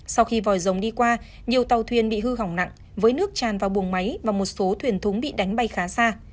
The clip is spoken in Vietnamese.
sau khi vòi rồng đi qua nhiều tàu thuyền bị hư hỏng nặng với nước tràn vào buồng máy và một số thuyền thúng bị đánh bay khá xa